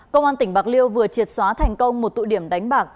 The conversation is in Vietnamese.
công an tỉnh bạc liêu vừa triệt xóa thành công một tụ điểm đánh bạc